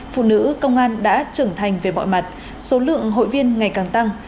phụ nữ công an đã trưởng thành về mọi mặt số lượng hội viên ngày càng tăng